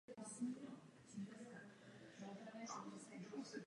Režisérem filmu je Sean Anders.